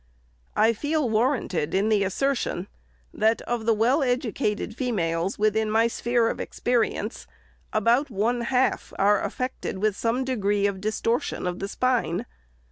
" I feel warranted in the assertion, that, of the well educated females, within my sphere of experience, about one half are affected with some degree of distortion of spine.